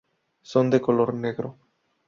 Son de color negro.